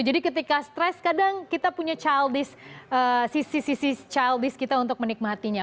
jadi ketika stress kadang kita punya childish sisi sisi childish kita untuk menikmatinya